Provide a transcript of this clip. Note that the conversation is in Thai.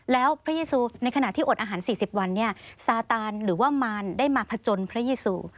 แล้วพระเยซูในขณะที่อดอาหารสี่สิบวันเนี้ยซาตานหรือว่ามานได้มาพจนพระเยซู